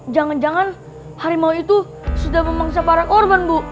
jangan jangan harimau itu sudah memangsa para korban bu